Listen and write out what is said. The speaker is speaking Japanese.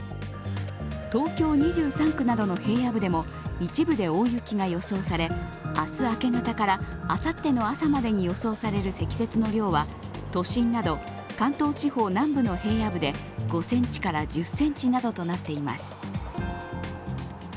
東京２３区などの平野部でも一部で大雪が予想され明日明け方からあさっての朝までに予想される積雪の量は都心など関東地方南部の平野部で５ｃｍから１０ｃｍなどとなっています。